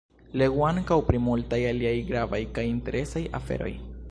Legu ankaŭ pri multaj aliaj gravaj kaj interesaj aferoj!